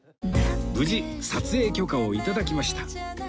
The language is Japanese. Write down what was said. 無事撮影許可を頂きました